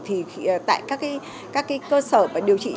thì tại các cơ sở điều trị